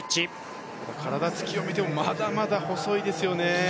体つきを見てもまだまだ細いですよね。